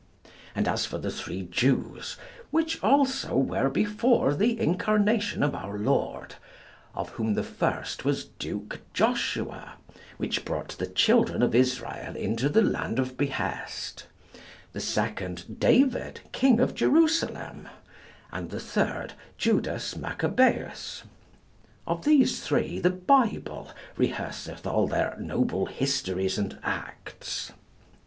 And as for the three Jews, which also were before the Incarnation of our Lord of whom the first was Duke Joshua, which brought the children of Israel into the land of behest; the second, David, King of Jerusalem; and the third Judas Maccabaeus; of these three the Bible rehearseth all their noble histories and acts.